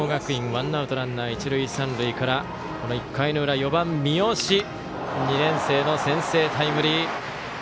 ワンアウトランナー、一塁三塁から１回の裏、４番、三好２年生の先制タイムリー。